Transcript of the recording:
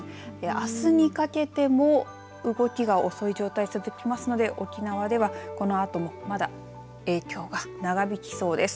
あすにかけても動きが遅い状態が続きますので沖縄ではこのあともまだ影響が長引きそうです。